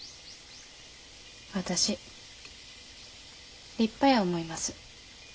私立派や思います。